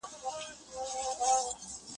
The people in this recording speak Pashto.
او یو ستوری تېرېده د سپوږمۍ خوا کې